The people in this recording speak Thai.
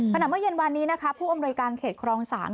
เมื่อเย็นวานนี้นะคะผู้อำนวยการเขตครอง๓